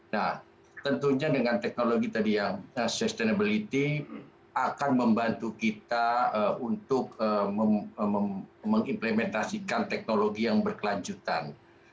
nah tentunya dengan teknologi tadi yang sustainability akan membantu kita untuk mengimplementasikan teknologi yang berkelanjutan